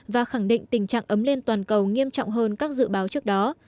và khẳng định tình trạng ấm lên toàn cầu nghiêm trọng hơn các dự báo trước đó